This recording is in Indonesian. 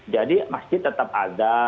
jadi masjid tetap ada